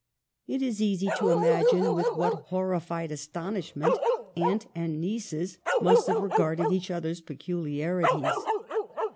It is easy to imagine with what horrified astonishment aunt and nieces must have re garded each other's peculiarities.